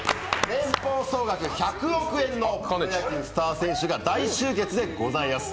年俸総額１００億円のスター選手が大集合です。